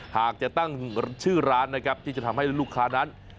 หากจะตั้งชื่อร้านนะครับที่จะทำให้ลูกค้านั้น